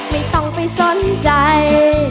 ไม่ต้องไปสนใจ